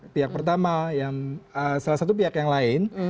pihak pertama salah satu pihak yang lain